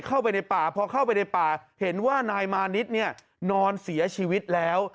เข้าไปในป่าพอเข้าไปในป่าเห็นว่านายมานิดเนี่ยนอนเสียชีวิตแล้ว